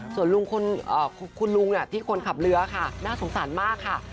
ส่วนคุณลุงที่คนขับเรือค่ะน่าสงสารมากค่ะ